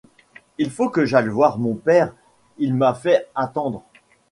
Il faut que j'aille voir mon père Il m'a fait attendre.